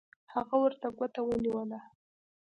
هغه ورته ګوته ونیوله